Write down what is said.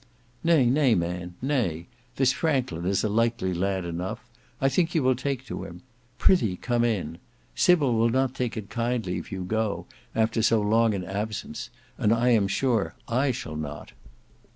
"Nay, nay man; nay. This Franklin is a likely lad enough; I think you will take to him. Prithee come in. Sybil will not take it kindly if you go, after so long an absence; and I am sure I shall not."